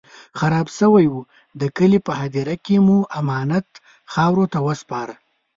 خراب شوی و، د کلي په هديره کې مو امانت خاورو ته وسپاره.